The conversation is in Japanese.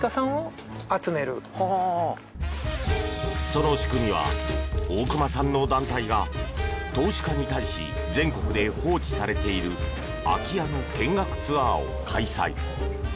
その仕組みは大熊さんの団体が投資家に対し全国で放置されている空き家の見学ツアーを開催。